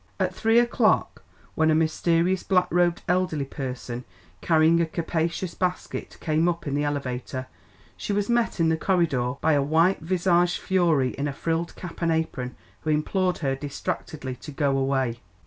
At three o'clock, when a mysterious black robed elderly person carrying a capacious basket came up in the elevator she was met in the corridor by a white visaged fury in a frilled cap and apron, who implored her distractedly to go away.